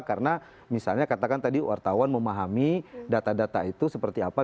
karena misalnya katakan tadi wartawan memahami data data itu seperti apa